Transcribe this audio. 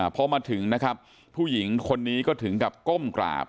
พอมาถึงนะครับผู้หญิงคนนี้ก็ถึงกับก้มกราบ